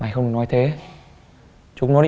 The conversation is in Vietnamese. anh xin em đấy